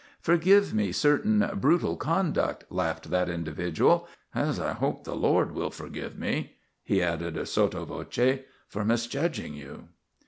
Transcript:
"Forgive me certain brutal conduct," laughed that individual. "As I hope the Lord will forgive me," he added sotto voce, "for misjudging you."